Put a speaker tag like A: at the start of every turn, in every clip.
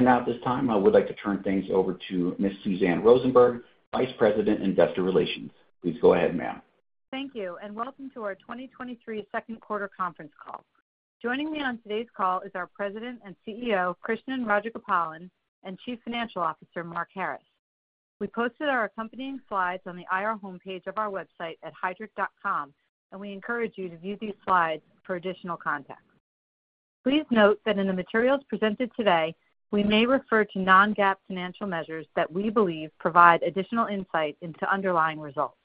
A: Now at this time I would like to turn things over to Ms. Suzanne Rosenberg, Vice President, Investor Relations. Please go ahead ma'am.
B: Thank you and welcome to our 2023 second quarter conference call. Joining me on today's call is our President and CEO, Krishnan Rajagopalan and Chief Financial Officer, Mark Harris. We posted our accompanying slides on the IR homepage of our website at Heidrick.com, and we encourage you to view these slides for additional context. Please note that in the materials presented today, we may refer to non-GAAP financial measures that we believe provide additional insight into underlying results.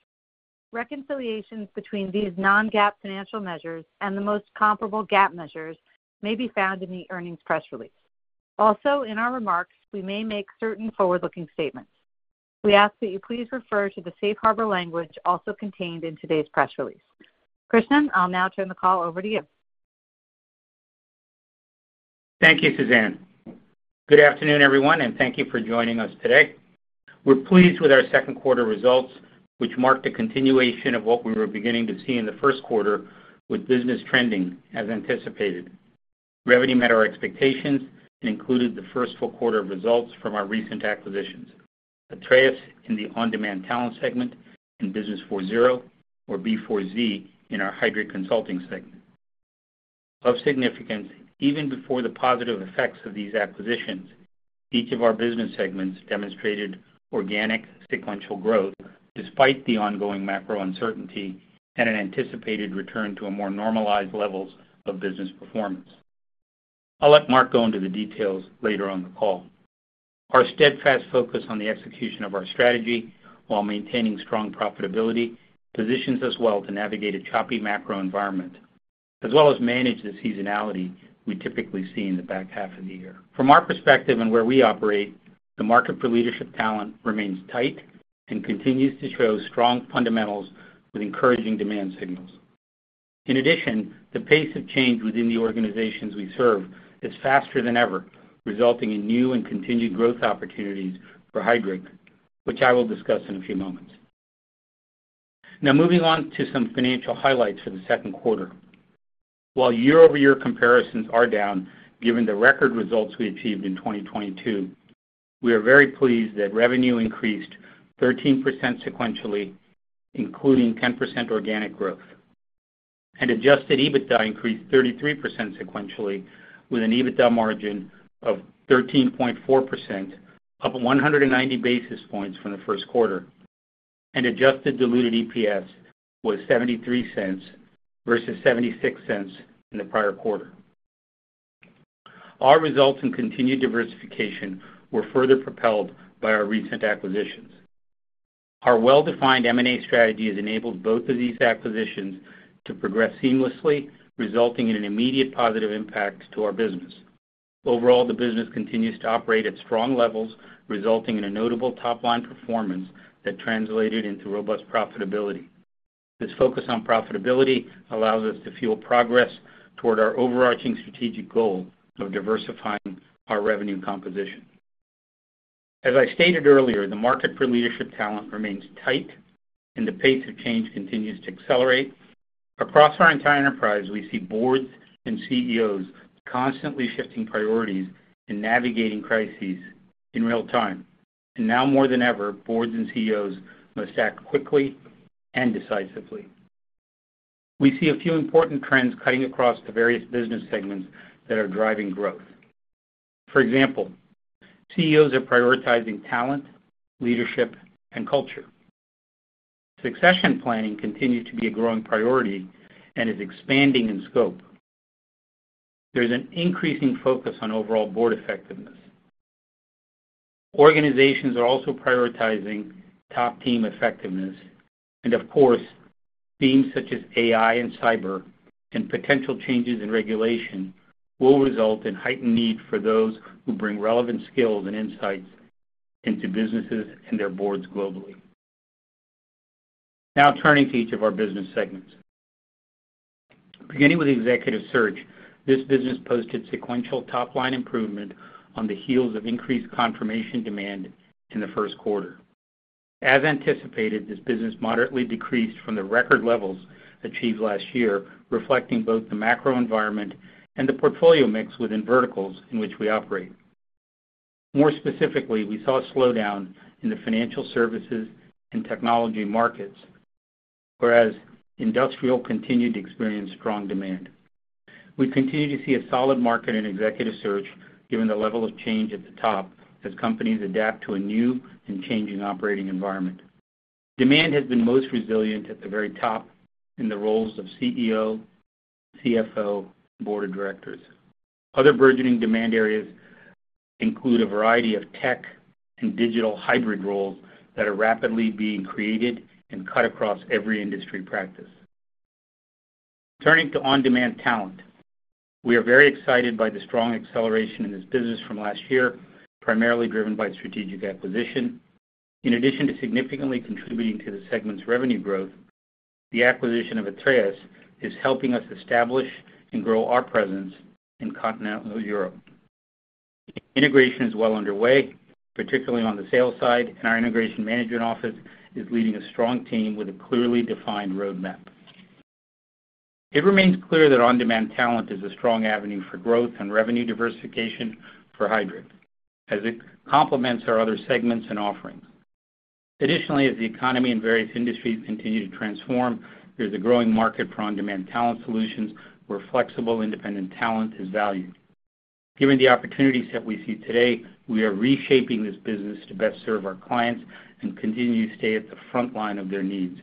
B: Reconciliations between these non-GAAP financial measures and the most comparable GAAP measures may be found in the earnings press release. Also in our remarks, we may make certain forward-looking statements. We ask that you please refer to the safe harbor language also contained in today's press release. Krishnan, I'll now turn the call over to you.
C: Thank you Suzanne. Good afternoon, everyone, and thank you for joining us today. We're pleased with our second quarter results, which marked a continuation of what we were beginning to see in the first quarter, with business trending as anticipated. Revenue met our expectations and included the first full quarter of results from our recent acquisitions, Atreus in the On-Demand Talent segment, and businessfourzero or B4Z in our Heidrick Consulting segment. Of significance, even before the positive effects of these acquisitions, each of our business segments demonstrated organic sequential growth, despite the ongoing macro uncertainty and an anticipated return to a more normalized levels of business performance. I'll let Mark go into the details later on the call. Our steadfast focus on the execution of our strategy while maintaining strong profitability, positions us well to navigate a choppy macro environment, as well as manage the seasonality we typically see in the back half of the year. From our perspective and where we operate, the market for leadership talent remains tight and continues to show strong fundamentals with encouraging demand signals. In addition, the pace of change within the organizations we serve is faster than ever, resulting in new and continued growth opportunities for Heidrick which I will discuss in a few moments. Moving on to some financial highlights for the second quarter. While year-over-year comparisons are down, given the record results we achieved in 2022, we are very pleased that revenue increased 13% sequentially, including 10% organic growth, adjusted EBITDA increased 33% sequentially, with an EBITDA margin of 13.4%, up 190 basis points from the first quarter. Adjusted diluted EPS was $0.73 versus $0.76 in the prior quarter. Our results and continued diversification were further propelled by our recent acquisitions. Our well-defined M&A strategy has enabled both of these acquisitions to progress seamlessly, resulting in an immediate positive impact to our business. Overall, the business continues to operate at strong levels, resulting in a notable top-line performance that translated into robust profitability. This focus on profitability allows us to fuel progress toward our overarching strategic goal of diversifying our revenue composition. As I stated earlier, the market for leadership talent remains tight, and the pace of change continues to accelerate. Across our entire enterprise, we see boards and CEOs constantly shifting priorities and navigating crises in real time. Now more than ever, boards and CEOs must act quickly and decisively. We see a few important trends cutting across the various business segments that are driving growth. For example, CEOs are prioritizing talent, leadership, and culture. Succession planning continues to be a growing priority and is expanding in scope. There's an increasing focus on overall board effectiveness. Organizations are also prioritizing top team effectiveness, and of course themes such as AI and cyber and potential changes in regulation will result in heightened need for those who bring relevant skills and insights into businesses and their boards globally. Now turning to each of our business segments. Beginning with executive search, this business posted sequential top-line improvement on the heels of increased confirmation demand in the first quarter. As anticipated, this business moderately decreased from the record levels achieved last year, reflecting both the macro environment and the portfolio mix within verticals in which we operate. More specifically, we saw a slowdown in the financial services and technology markets whereas industrial continued to experience strong demand. We continue to see a solid market in executive search given the level of change at the top as companies adapt to a new and changing operating environment. Demand has been most resilient at the very top in the roles of CEO, CFO, board of directors. Other burgeoning demand areas include a variety of tech and digital hybrid roles that are rapidly being created and cut across every industry practice. Turning to On-Demand Talent, we are very excited by the strong acceleration in this business from last year, primarily driven by strategic acquisition. In addition to significantly contributing to the segment's revenue growth, the acquisition of Atreus is helping us establish and grow our presence in Continental Europe. Integration is well underway, particularly on the sales side, and our integration management office is leading a strong team with a clearly defined roadmap. It remains clear that On-Demand Talent is a strong avenue for growth and revenue diversification for Heidrick, as it complements our other segments and offerings. Additionally as the economy and various industries continue to transform, there's a growing market for On-Demand Talent solutions, where flexible, independent talent is valued. Given the opportunities that we see today, we are reshaping this business to best serve our clients and continue to stay at the front line of their needs.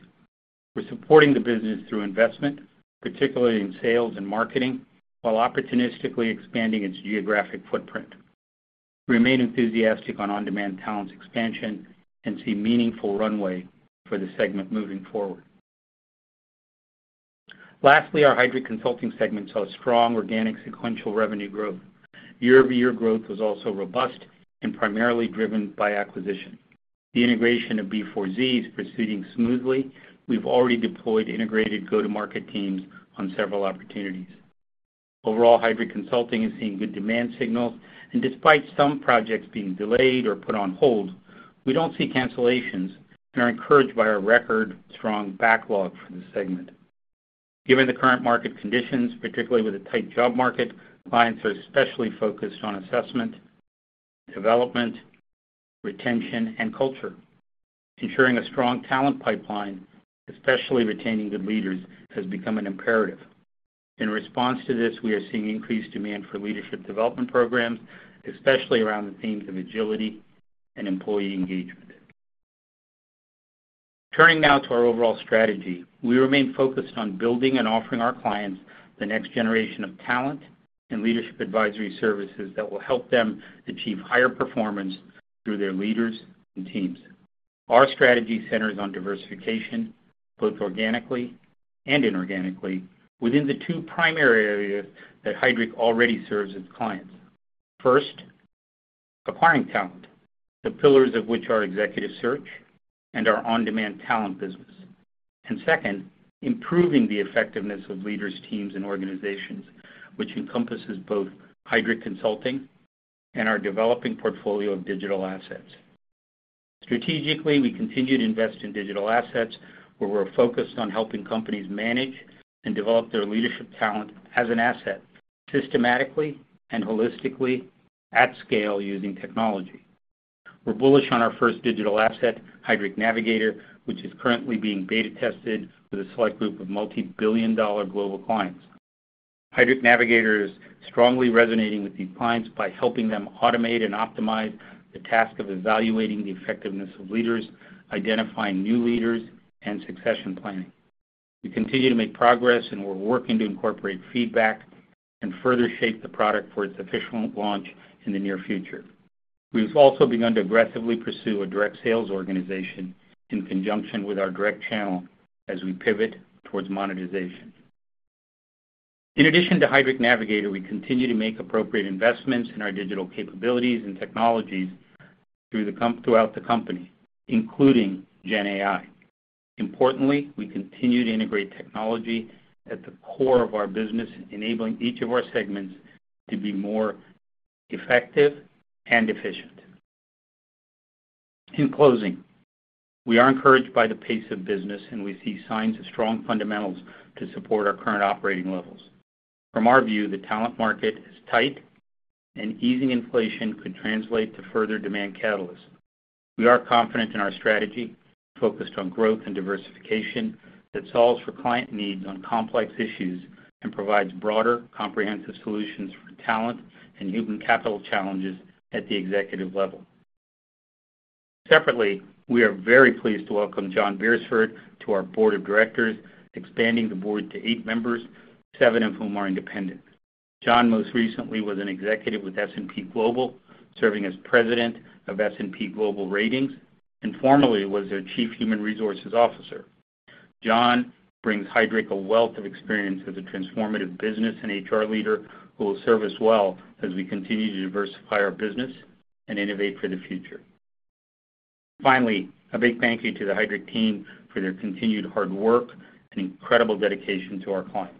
C: We're supporting the business through investment, particularly in sales and marketing, while opportunistically expanding its geographic footprint. We remain enthusiastic on On-Demand Talent's expansion and see meaningful runway for the segment moving forward. Lastly, our Heidrick Consulting segment saw strong organic sequential revenue growth. Year-over-year growth was also robust and primarily driven by acquisition. The integration of B4Z is proceeding smoothly. We've already deployed integrated go-to-market teams on several opportunities. Overall, Heidrick Consulting is seeing good demand signal and despite some projects being delayed or put on hold, we don't see cancellations and are encouraged by our record strong backlog for the segment. Given the current market conditions, particularly with a tight job market, clients are especially focused on assessment, development, retention and culture. Ensuring a strong talent pipeline, especially retaining good leaders has become an imperative. In response to this, we are seeing increased demand for leadership development programs, especially around the themes of agility and employee engagement. Turning now to our overall strategy. We remain focused on building and offering our clients the next generation of talent and leadership advisory services that will help them achieve higher performance through their leaders and teams. Our strategy centers on diversification, both organically and inorganically, within the two primary areas that Heidrick already serves its clients. First acquiring talent, the pillars of which are executive search and our On-Demand Talent business. Second, improving the effectiveness of leaders, teams and organizations, which encompasses both Heidrick Consulting and our developing portfolio of digital assets. Strategically, we continue to invest in digital assets where we're focused on helping companies manage and develop their leadership talent as an asset, systematically and holistically at scale, using technology. We're bullish on our first digital asset Heidrick Navigator, which is currently being beta tested with a select group of multi-billion dollar global clients. Heidrick Navigator is strongly resonating with these clients by helping them automate and optimize the task of evaluating the effectiveness of leaders, identifying new leaders, and succession planning. We continue to make progress, we're working to incorporate feedback and further shape the product for its official launch in the near future. We've also begun to aggressively pursue a direct sales organization in conjunction with our direct channel as we pivot towards monetization. In addition to Heidrick Navigator, we continue to make appropriate investments in our digital capabilities and technologies throughout the company including GenAI. Importantly, we continue to integrate technology at the core of our business, enabling each of our segments to be more effective and efficient. In closing, we are encouraged by the pace of business, and we see signs of strong fundamentals to support our current operating levels. From our view, the talent market is tight, and easing inflation could translate to further demand catalysts. We are confident in our strategy, focused on growth and diversification, that solves for client needs on complex issues and provides broader, comprehensive solutions for talent and human capital challenges at the executive level. Separately, we are very pleased to welcome John Berisford to our board of directors, expanding the board to eight members, seven of whom are independent. John most recently was an executive with S&P Global, serving as President of S&P Global Ratings, and formerly was their Chief Human Resources Officer. John brings Heidrick a wealth of experience as a transformative business and HR leader who will serve us well as we continue to diversify our business and innovate for the future. Finally, a big thank you to the Heidrick team for their continued hard work and incredible dedication to our clients.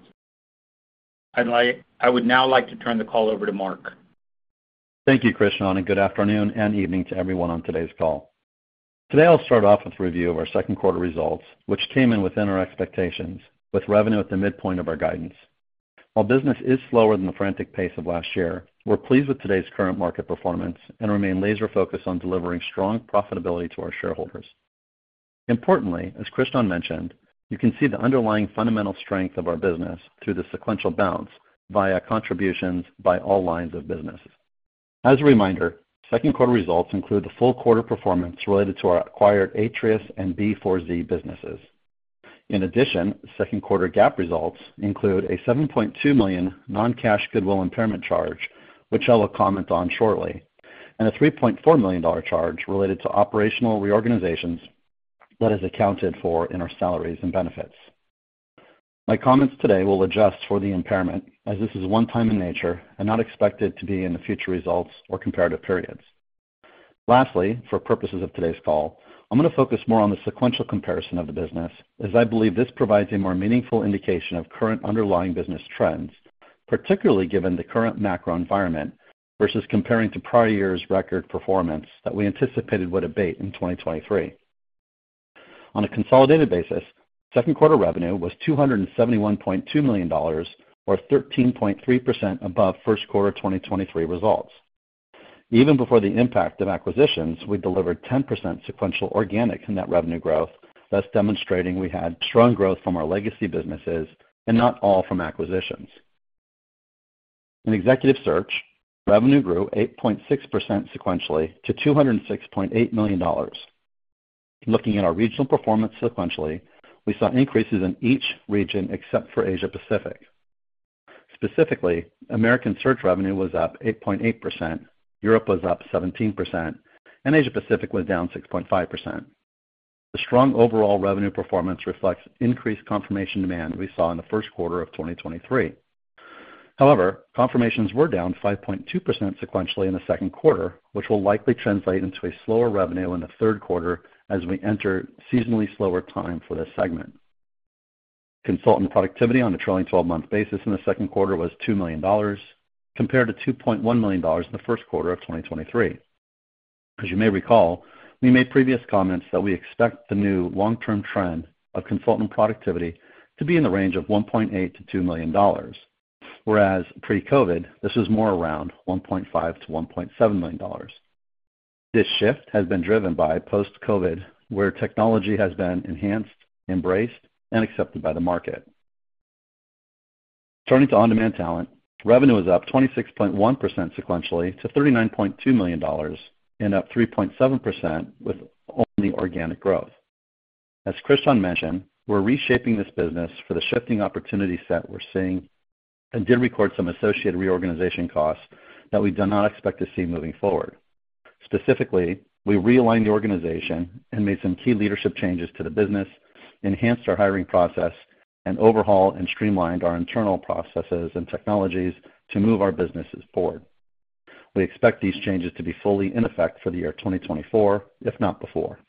C: I would now like to turn the call over to Mark.
D: Thank you Krishnan, and good afternoon and evening to everyone on today's call. Today I'll start off with a review of our second quarter results, which came in within our expectations, with revenue at the midpoint of our guidance. While business is slower than the frantic pace of last year, we're pleased with today's current market performance and remain laser focused on delivering strong profitability to our shareholders. Importantly, as Krishnan mentioned, you can see the underlying fundamental strength of our business through the sequential bounce via contributions by all lines of business. As a reminder, second quarter results include the full quarter performance related to our acquired Atreus and B4Z businesses. Second quarter GAAP results include a $7.2 million non-cash goodwill impairment charge which I will comment on shortly, and a $3.4 million charge related to operational reorganizations that is accounted for in our salaries and benefits. My comments today will adjust for the impairment, as this is one-time in nature and not expected to be in the future results or comparative periods. For purposes of today's call, I'm going to focus more on the sequential comparison of the business, as I believe this provides a more meaningful indication of current underlying business trends, particularly given the current macro environment, versus comparing to prior year's record performance that we anticipated would abate in 2023. On a consolidated basis, second quarter revenue was $271.2 million, or 13.3% above first quarter 2023 results. Even before the impact of acquisitions, we delivered 10% sequential organic net revenue growth, thus demonstrating we had strong growth from our legacy businesses and not all from acquisitions. In executive search, revenue grew 8.6% sequentially to $206.8 million. Looking at our regional performance sequentially, we saw increases in each region except for Asia Pacific. Specifically, American search revenue was up 8.8%, Europe was up 17%, and Asia Pacific was down 6.5%. The strong overall revenue performance reflects increased confirmation demand we saw in the first quarter of 2023. However, confirmations were down 5.2% sequentially in the second quarter which will likely translate into a slower revenue in the third quarter as we enter seasonally slower time for this segment. Consultant productivity on a trailing twelve-month basis in the second quarter was $2 million, compared to $2.1 million in the first quarter of 2023. As you may recall we made previous comments that we expect the new long-term trend of consultant productivity to be in the range of $1.8 million-$2 million, whereas pre-COVID, this is more around $1.5 million-$1.7 million. This shift has been driven by post-COVID, where technology has been enhanced, embraced and accepted by the market. Turning to On-Demand Talent, revenue is up 26.1% sequentially to $39.2 million and up 3.7% with only organic growth. As Krishnan mentioned, we're reshaping this business for the shifting opportunity set we're seeing and did record some associated reorganization costs that we do not expect to see moving forward. Specifically, we realigned the organization and made some key leadership changes to the business, enhanced our hiring process, and overhauled and streamlined our internal processes and technologies to move our businesses forward. We expect these changes to be fully in effect for the year 2024, if not before.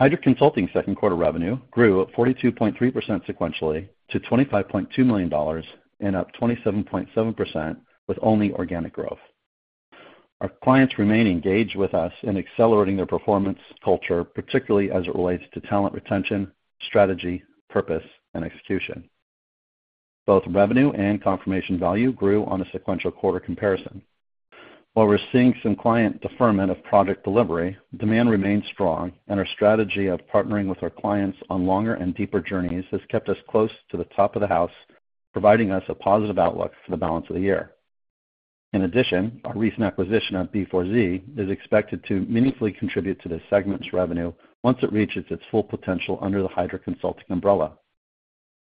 D: Heidrick Consulting's second quarter revenue grew at 42.3% sequentially to $25.2 million and up 27.7% with only organic growth. Our clients remain engaged with us in accelerating their performance culture, particularly as it relates to talent, retention, strategy, purpose, and execution. Both revenue and confirmation value grew on a sequential quarter comparison. While we're seeing some client deferment of product delivery, demand remains strong and our strategy of partnering with our clients on longer and deeper journeys has kept us close to the top of the house, providing us a positive outlook for the balance of the year. In addition, our recent acquisition of B4Z is expected to meaningfully contribute to this segment's revenue once it reaches its full potential under the Heidrick Consulting umbrella.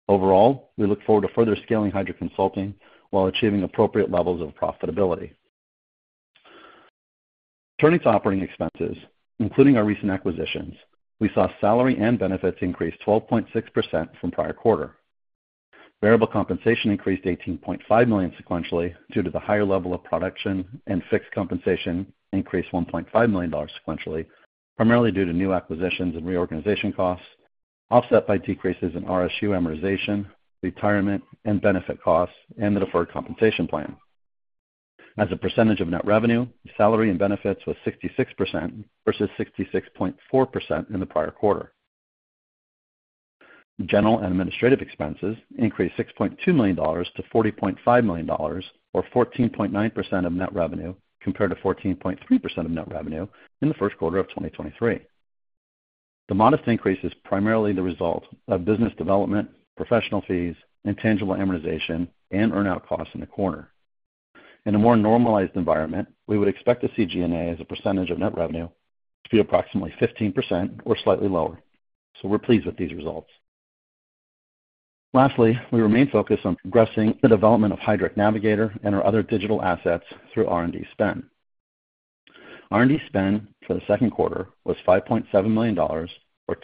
D: Overall, we look forward to further scaling Heidrick Consulting while achieving appropriate levels of profitability. Turning to operating expenses including our recent acquisitions, we saw salary and benefits increase 12.6% from prior quarter. Variable compensation increased $18.5 million sequentially due to the higher level of production. Fixed compensation increased $1.5 million sequentially, primarily due to new acquisitions and reorganization costs, offset by decreases in RSU amortization, retirement and benefit costs, and the deferred compensation plan. As a percentage of net revenue, salary and benefits was 66% versus 66.4% in the prior quarter. General and administrative expenses increased $6.2 million to $40.5 million, or 14.9% of net revenue, compared to 14.3% of net revenue in the first quarter of 2023. The modest increase is primarily the result of business development, professional fees, intangible amortization, and earn-out costs in the quarter. In a more normalized environment, we would expect to see G&A as a percentage of net revenue to be approximately 15% or slightly lower. We're pleased with these results. Lastly, we remain focused on progressing the development of Heidrick Navigator and our other digital assets through R&D spend. R&D spend for the second quarter was $5.7 million, or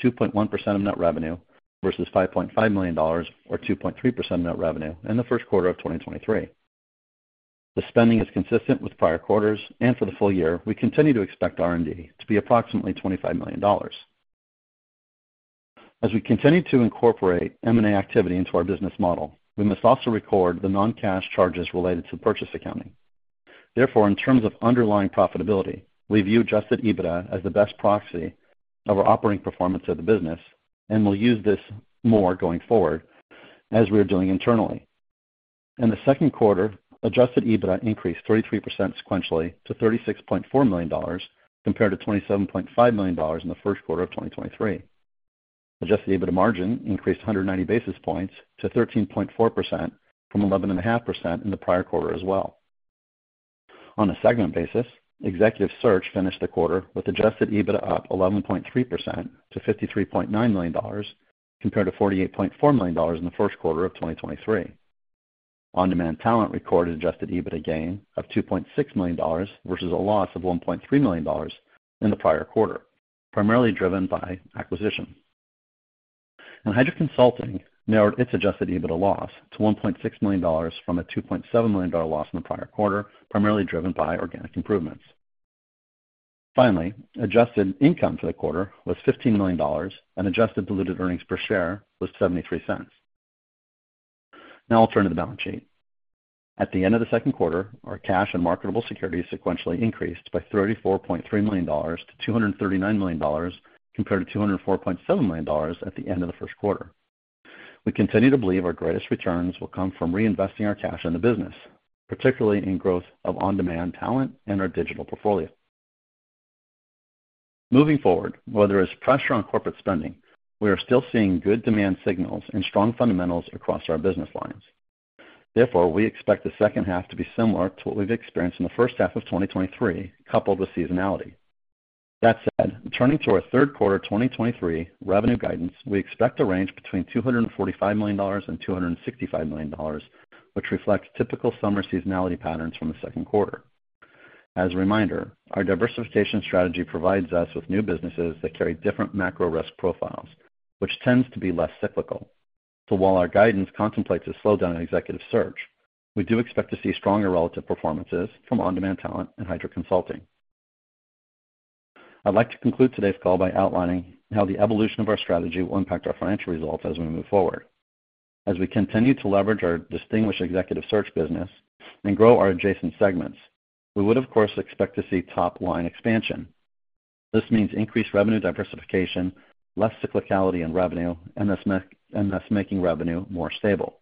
D: 2.1% of net revenue, versus $5.5 million, or 2.3% of net revenue, in the first quarter of 2023. The spending is consistent with prior quarters, and for the full year, we continue to expect R&D to be approximately $25 million. As we continue to incorporate M&A activity into our business model, we must also record the non-cash charges related to purchase accounting. Therefore in terms of underlying profitability, we view adjusted EBITDA as the best proxy of our operating performance of the business and will use this more going forward, as we are doing internally. In the second quarter, adjusted EBITDA increased 33% sequentially to $36.4 million, compared to $27.5 million in the first quarter of 2023. Adjusted EBITDA margin increased 190 basis points to 13.4% from 11.5% in the prior quarter as well. On a segment basis, Executive Search finished the quarter with adjusted EBITDA up 11.3% to $53.9 million, compared to $48.4 million in the first quarter of 2023. On-Demand Talent recorded adjusted EBITDA gain of $2.6 million, versus a loss of $1.3 million in the prior quarter, primarily driven by acquisition. Heidrick Consulting narrowed its adjusted EBITDA loss to $1.6 million from a $2.7 million loss in the prior quarter, primarily driven by organic improvements. Finally, adjusted income for the quarter was $15 million, and adjusted diluted earnings per share was $0.73. Now I'll turn to the balance sheet. At the end of the second quarter, our cash and marketable securities sequentially increased by $34.3 million to $239 million, compared to $204.7 million at the end of the first quarter. We continue to believe our greatest returns will come from reinvesting our cash in the business, particularly in growth of On-Demand Talent and our digital portfolio. Moving forward, while there is pressure on corporate spending, we are still seeing good demand signals and strong fundamentals across our business lines. Therefore, we expect the second half to be similar to what we've experienced in the first half of 2023, coupled with seasonality. That said, turning to our third quarter 2023 revenue guidance we expect a range between $245 million and $265 million, which reflects typical summer seasonality patterns from the second quarter. As a reminder, our diversification strategy provides us with new businesses that carry different macro risk profiles, which tends to be less cyclical. While our guidance contemplates a slowdown in executive search, we do expect to see stronger relative performances from On-Demand Talent and Heidrick Consulting. I'd like to conclude today's call by outlining how the evolution of our strategy will impact our financial results as we move forward. As we continue to leverage our distinguished executive search business and grow our adjacent segments, we would, of course expect to see top-line expansion. This means increased revenue diversification, less cyclicality in revenue and thus making revenue more stable.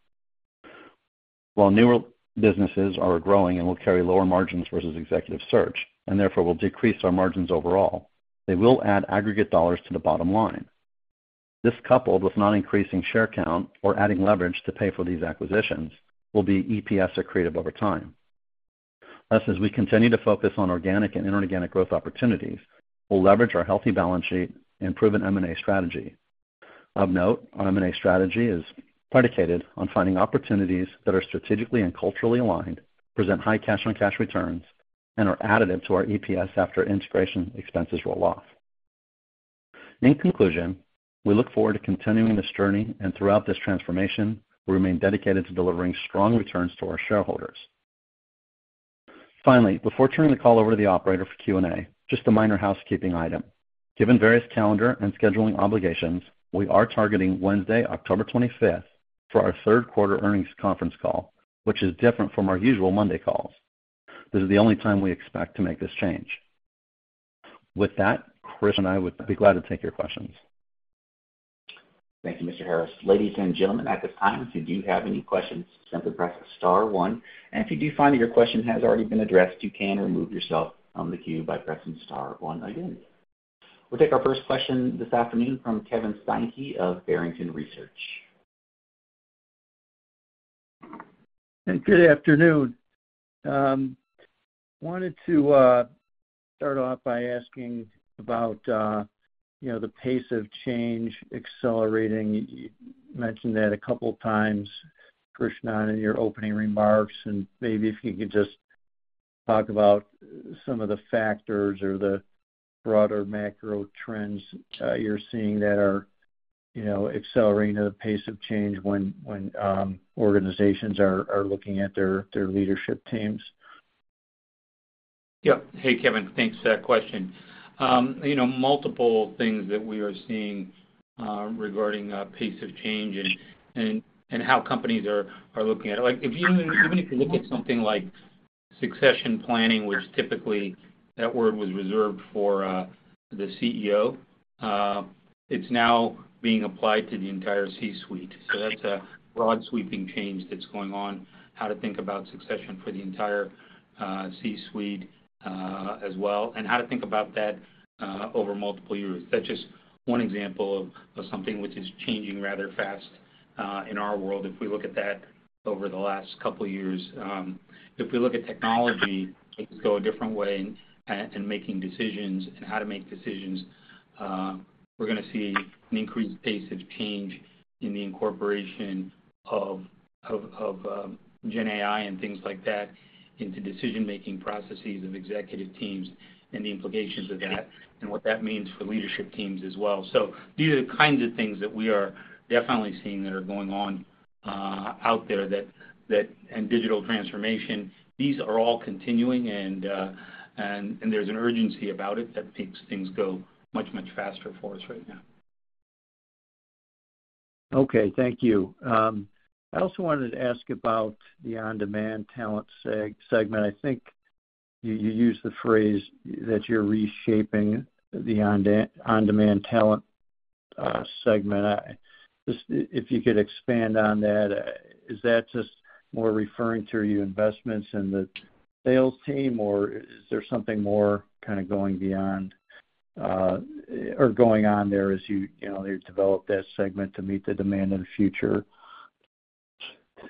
D: While newer businesses are growing and will carry lower margins versus executive search and therefore will decrease our margins overall, they will add aggregate dollars to the bottom line. This, coupled with not increasing share count or adding leverage to pay for these acquisitions will be EPS accretive over time. As we continue to focus on organic and inorganic growth opportunities, we'll leverage our healthy balance sheet and proven M&A strategy. Of note, our M&A strategy is predicated on finding opportunities that are strategically and culturally aligned, present high cash-on-cash returns, and are additive to our EPS after integration expenses roll off. In conclusion we look forward to continuing this journey, and throughout this transformation, we remain dedicated to delivering strong returns to our shareholders. Finally, before turning the call over to the operator for Q&A, just a minor housekeeping item. Given various calendar and scheduling obligations, we are targeting Wednesday, October 25th, for our third quarter earnings conference call which is different from our usual Monday calls. This is the only time we expect to make this change. With that, Krishnan and I would be glad to take your questions.
A: Thank you, Mr. Harris. Ladies and gentlemen, at this time if you do have any questions, simply press star one. If you do find that your question has already been addressed you can remove yourself from the queue by pressing star one again. We'll take our first question this afternoon from Kevin Steinke of Barrington Research.
E: Hey, good afternoon. Wanted to start off by asking about, you know, the pace of change accelerating. You mentioned that a couple of times, Krishnan in your opening remarks, and maybe if you could just talk about some of the factors or the broader macro trends, you're seeing that are, you know, accelerating the pace of change when, when, organizations are, are looking at their, their leadership teams?
C: Yeah. Hey Kevin, thanks for that question. You know, multiple things that we are seeing regarding pace of change and, and, and how companies are, are looking at it. Like, even if you look at something like succession planning, which typically that word was reserved for the CEO, it's now being applied to the entire C-suite. That's a broad, sweeping change that's going on, how to think about succession for the entire C-suite as well, and how to think about that over multiple years. That's just one example of, of something which is changing rather fast in our world if we look at that over the last couple of years. If we look at technology, it could go a different way in making decisions and how to make decisions, we're gonna see an increased pace of change in the incorporation of GenAI and things like that into decision-making processes of executive teams and the implications of that, and what that means for leadership teams as well. These are the kinds of things that we are definitely seeing that are going on out there. Digital transformation, these are all continuing, and there's an urgency about it that makes things go much, much faster for us right now.
E: Okay. Thank you. I also wanted to ask about the On-Demand Talent segment. I think you, you used the phrase that you're reshaping the On-Demand Talent segment. I, just if you could expand on that, is that just more referring to your investments in the sales team, or is there something more kind of going beyond, or going on there as you, you know, develop that segment to meet the demand in the future?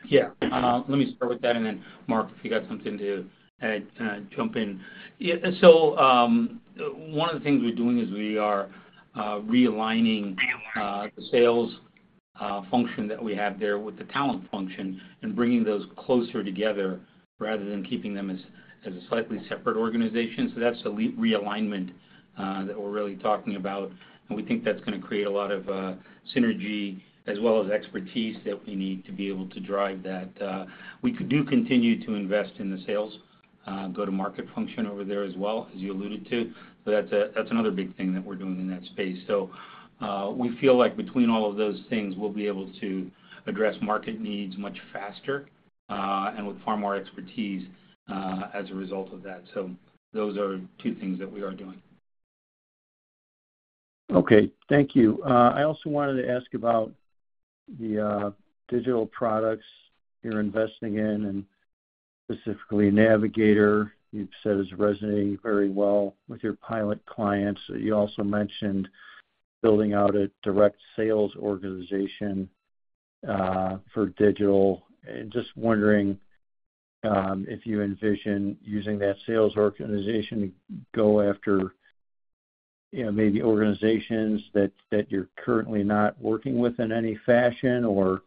C: Yeah. Let me start with that, then Mark, if you got something to add, jump in. Yeah, one of the things we're doing is we are realigning the sales function that we have there with the talent function and bringing those closer together rather than keeping them as, as a slightly separate organization. That's the realignment that we're really talking about, and we think that's gonna create a lot of synergy as well as expertise that we need to be able to drive that. We do continue to invest in the sales function, go-to-market function over there as well, as you alluded to. That's a, that's another big thing that we're doing in that space. We feel like between all of those things, we'll be able to address market needs much faster, and with far more expertise, as a result of that. Those are two things that we are doing.
E: Okay, thank you. I also wanted to ask about the digital products you're investing in, and specifically Navigator, you've said is resonating very well with your pilot clients. You also mentioned building out a direct sales organization for digital. Just wondering, if you envision using that sales organization to go after, you know, maybe organizations that, that you're currently not working with in any fashion, or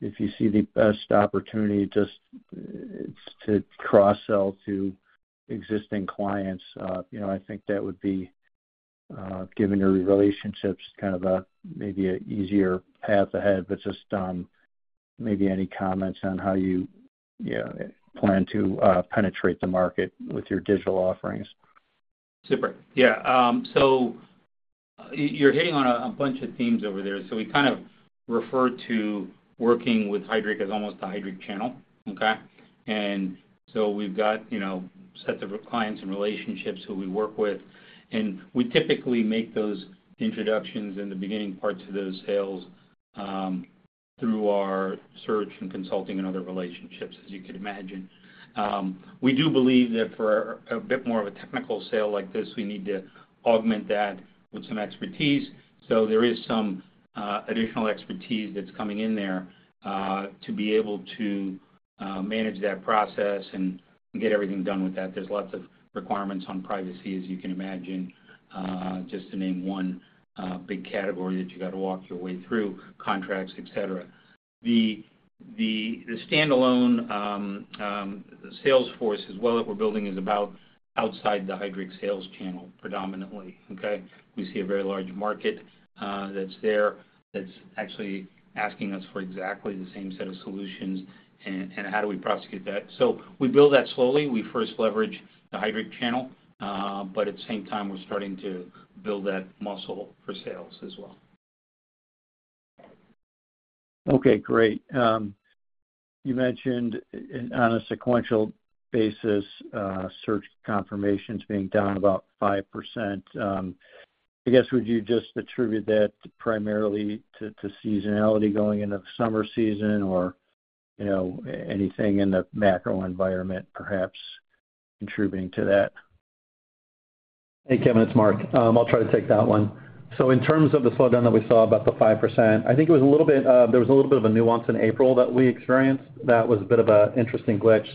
E: if you see the best opportunity just it's to cross-sell to existing clients? You know, I think that would be, given your relationships, kind of a, maybe an easier path ahead. Just, maybe any comments on how you plan to penetrate the market with your digital offerings?
C: Super. Yeah. You're hitting on a, a bunch of themes over there. We kind of refer to working with Heidrick as almost the Heidrick channel, okay? We've got, you know, sets of clients and relationships who we work with, and we typically make those introductions in the beginning parts of those sales, through our search and consulting and other relationships, as you can imagine. We do believe that for a bit more of a technical sale like this, we need to augment that with some expertise. There is some additional expertise that's coming in there, to be able to manage that process and get everything done with that. There's lots of requirements on privacy, as you can imagine, just to name one big category that you got to walk your way through, contracts, et cetera. The standalone sales force as well, that we're building is about outside the Heidrick sales channel, predominantly, okay. We see a very large market, that's there, that's actually asking us for exactly the same set of solutions, and, and how do we prosecute that? We build that slowly. We first leverage the Heidrick channel, at the same time, we're starting to build that muscle for sales as well.
E: Okay, great. You mentioned on a sequential basis, search confirmations being down about 5%. I guess would you just attribute that primarily to seasonality going into the summer season, or you know, anything in the macro environment perhaps contributing to that?
D: Hey Kevin, it's Mark. I'll try to take that one. In terms of the slowdown that we saw, about the 5%, I think it was a little bit, there was a little bit of a nuance in April that we experienced that was a bit of an interesting glitch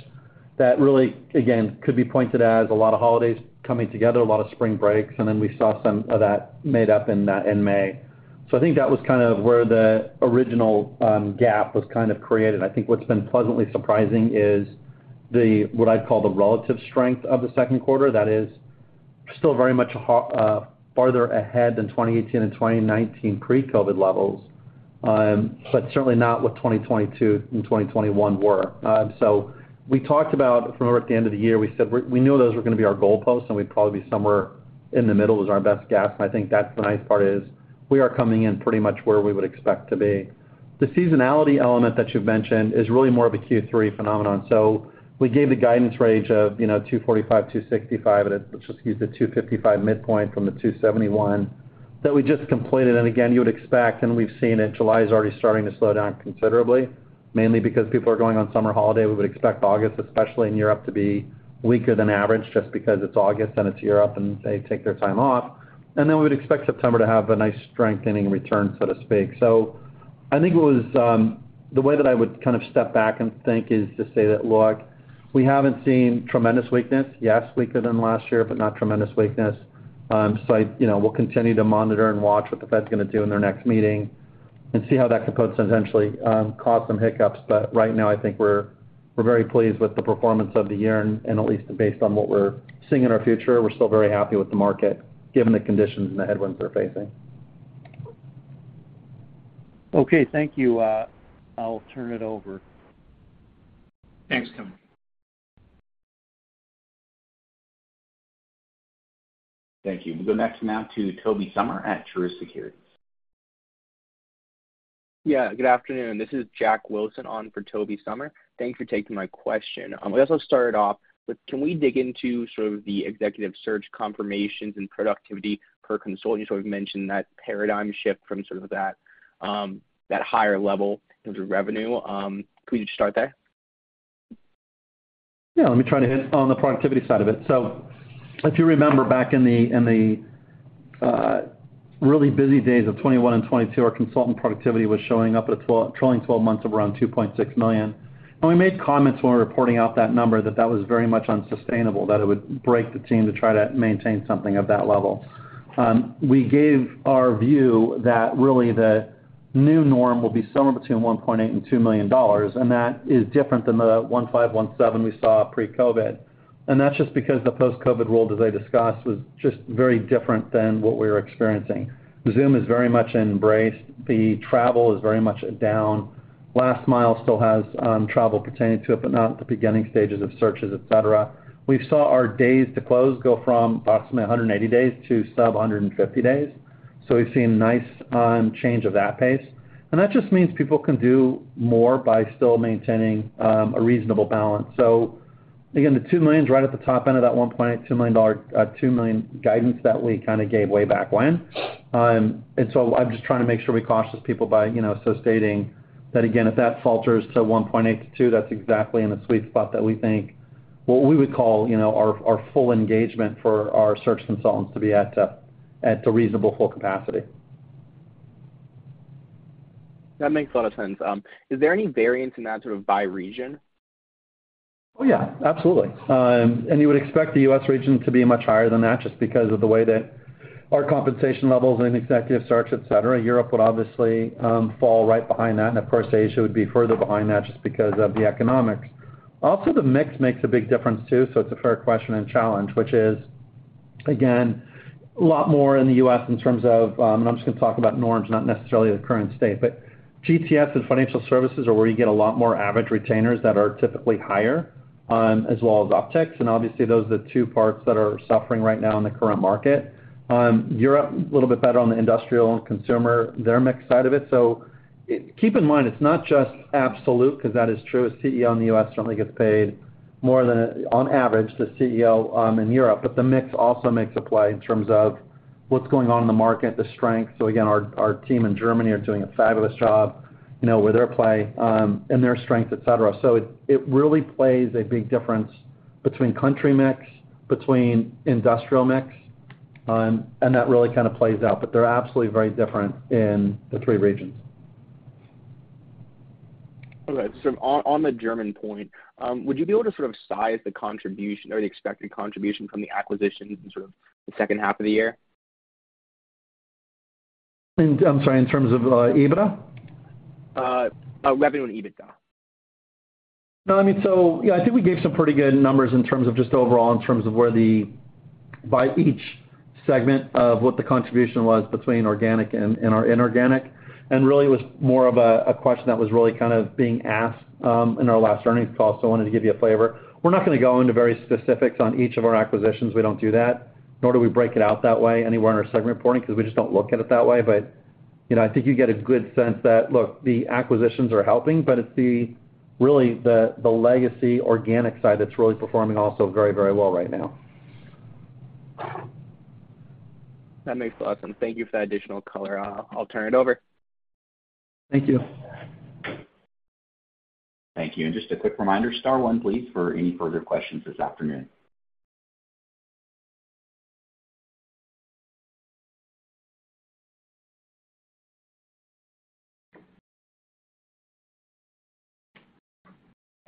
D: that really, again, could be pointed as a lot of holidays coming together, a lot of spring breaks. We saw some of that made up in May. I think that was kind of where the original gap was kind of created. I think what's been pleasantly surprising is the, what I'd call the relative strength of the second quarter. That is still very much farther ahead than 2018 and 2019 pre-COVID levels, certainly not what 2022 and 2021 were. We talked about from over at the end of the year, we said we knew those were going to be our goalposts, and we'd probably be somewhere in the middle, is our best guess. I think that's the nice part, is we are coming in pretty much where we would expect to be. The seasonality element that you've mentioned is really more of a Q3 phenomenon. We gave the guidance range of, you know, $245-$265, let's just use the $255 midpoint from the $271 that we just completed. Again, you would expect and we've seen it, July is already starting to slow down considerably, mainly because people are going on summer holiday. We would expect August, especially in Europe to be weaker than average just because it's August and it's Europe, and they take their time off, then we would expect September to have a nice strengthening return so to speak. I think itthe way that I would kind of step back and think is to say that, look, we haven't seen tremendous weakness. Yes, weaker than last year but not tremendous weakness. You know, we'll continue to monitor and watch what the Fed's going to do in their next meeting and see how that could potentially, cause some hiccups. Right now, I think we're, we're very pleased with the performance of the year. At least based on what we're seeing in our future, we're still very happy with the market, given the conditions and the headwinds we're facing.
E: Okay, thank you. I'll turn it over.
D: Thanks, Kevin.
A: Thank you. We'll go next now to Tobey Sommer at Truist Securities.
F: Yeah, good afternoon. This is Jack Wilson on for Tobey Sommer. Thanks for taking my question. I guess I'll start it off, can we dig into sort of the executive search confirmations and productivity per consultant? You sort of mentioned that paradigm shift from sort of that higher level in terms of revenue. Could you just start there?
D: Yeah, let me try to hit on the productivity side of it. If you remember, back in the, in the really busy days of 2021 and 2022, our consultant productivity was showing up at trailing 12 months of around $2.6 million. We made comments when we were reporting out that number, that that was very much unsustainable, that it would break the team to try to maintain something of that level. We gave our view that really the new norm will be somewhere between $1.8 million and $2 million and that is different than the $1.5 million-$1.7 million we saw pre-COVID. That's just because the post-COVID world, as I discussed, was just very different than what we were experiencing. Zoom is very much embraced, the travel is very much down. Last mile still has travel pertaining to it, but not at the beginning stages of searches, et cetera. We've saw our days to close go from approximately 180 days to sub 150 days. We've seen a nice change of that pace. That just means people can do more by still maintaining a reasonable balance. Again, the $2 million is right at the top end of that $1.2 million, $2 million guidance that we kind of gave way back when. So I'm just trying to make sure we cautious people by, you know, so stating that again, if that falters to 1.8-2.0, that's exactly in the sweet spot that we think what we would call, you know, our, our full engagement for our search consultants to be at, at a reasonable full capacity.
F: That makes a lot of sense. Is there any variance in that sort of by region?
D: Oh yeah, absolutely. You would expect the U.S. region to be much higher than that just because of the way that our compensation levels in executive search, et cetera. Europe would obviously fall right behind that. Of course, Asia would be further behind that just because of the economics. Also, the mix makes a big difference, too, so it's a fair question and challenge, which is, again, a lot more in the U.S. in terms of - I'm just going to talk about norms, not necessarily the current state but GTS and financial services are where you get a lot more average retainers that are typically higher, as well as OpEx. Obviously those are the two parts that are suffering right now in the current market. Europe, a little bit better on the industrial and consumer, their mix side of it. Keep in mind, it's not just absolute because that is true. A CEO in the U.S. certainly gets paid more than on average, the CEO in Europe but the mix also makes a play in terms of what's going on in the market, the strength. Again, our team in Germany are doing a fabulous job, you know, with their play and their strength, et cetera. It, it really plays a big difference between country mix, between industrial mix and that really kind of plays out, but they're absolutely very different in the three regions.
F: On the German point, would you be able to sort of size the contribution or the expected contribution from the acquisitions in sort of the second half of the year?
D: I'm sorry, in terms of EBITDA?
F: Revenue and EBITDA.
D: No, I mean yeah, I think we gave some pretty good numbers in terms of just overall, in terms of where the By each segment of what the contribution was between organic and our inorganic and really was more of a question that was really kind of being asked in our last earnings call. I wanted to give you a flavor. We're not going to go into very specifics on each of our acquisitions. We don't do that, nor do we break it out that way anywhere in our segment reporting, because we just don't look at it that way. You know, I think you get a good sense that look, the acquisitions are helping, but it's the really the legacy organic side that's really performing also very, very well right now.
F: That makes a lot of sense. Thank you for that additional color. I'll turn it over.
D: Thank you.
A: Thank you. Just a quick reminder, star one please, for any further questions this afternoon.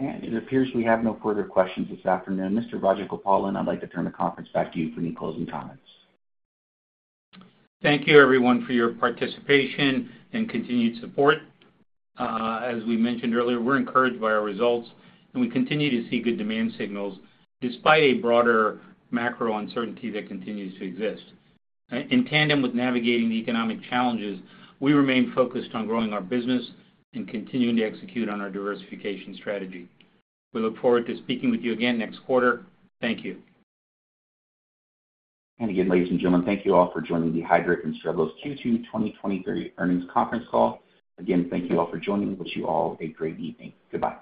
A: It appears we have no further questions this afternoon. Mr. Rajagopalan, I'd like to turn the conference back to you for any closing comments.
C: Thank you, everyone, for your participation and continued support. As we mentioned earlier, we're encouraged by our results. We continue to see good demand signals despite a broader macro uncertainty that continues to exist. In tandem with navigating the economic challenges, we remain focused on growing our business and continuing to execute on our diversification strategy. We look forward to speaking with you again next quarter. Thank you.
A: Again, ladies and gentlemen, thank you all for joining the Heidrick & Struggles Q2 2023 earnings conference call. Again, thank you all for joining. I wish you all a great evening. Goodbye.